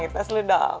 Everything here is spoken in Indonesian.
tas lu dong